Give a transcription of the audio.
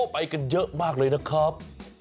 ไปกันเยอะมากเลยนะครับ